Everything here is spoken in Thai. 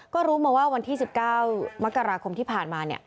ก็รู้มาว่าวันที่๑๙มกราคมที่ผ่านมา